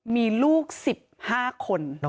มีลูก๑๕คน